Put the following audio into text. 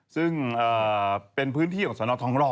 ซึ่งเป็นพื้นที่ของสนทองหล่อ